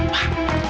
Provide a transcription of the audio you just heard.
gak akan kecil